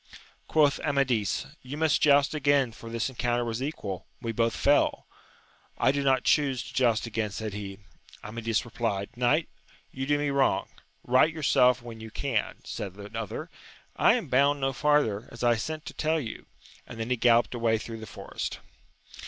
Quoth Amadis, You must joust again, for this en counter was equal, we both ^fell. I do not chuse to joust again, said he. Amadis replied, Knight, you do me wrong. Eight yourself when you can ! said the other : I am bound no farther, as I sent to tell you ! and then he galloped away through the forest.